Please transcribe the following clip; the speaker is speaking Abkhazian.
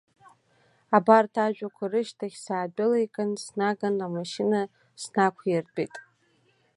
Абарҭ ажәақәа рышьҭахь, саадәылиган снаган амашьына снақәиртәеит.